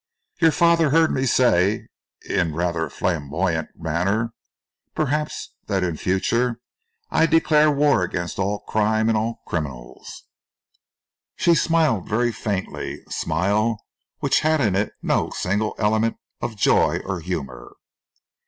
Your father heard me say, in rather a flamboyant manner, perhaps, that in future I declared war against all crime and all criminals." She smiled very faintly, a smile which had in it no single element of joy or humour.